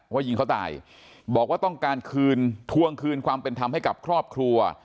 ว่ายิงเขาตายบอกว่าต้องการคืนทวงคืนความเป็นธรรมให้กับครอบครัว